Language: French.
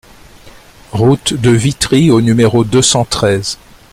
Route de Witry au numéro deux cent treize